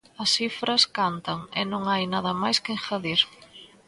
As cifras cantan e non hai nada máis que engadir.